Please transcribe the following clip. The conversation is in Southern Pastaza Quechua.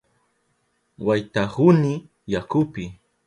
Waytahuni yakupi.